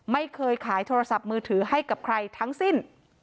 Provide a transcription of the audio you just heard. ไม่เคยขายโทรศัพท์มือถือให้กับใครทั้งสิ้น